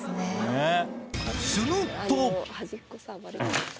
すると！